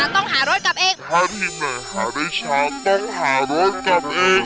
ถ้าทิ้งใดหาได้ช้าต้องหารถกับเอง